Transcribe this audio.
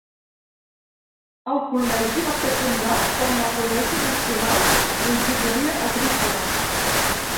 El col·legi va ser fundat com a Col·legi Nacional d'Enginyeria Agrícola.